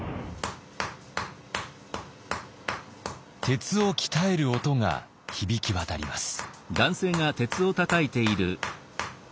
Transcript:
鉄を鍛える音が響き渡ります。